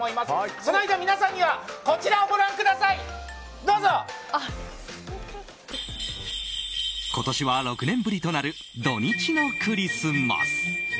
その間、皆さんは今年は、６年ぶりとなる土日のクリスマス。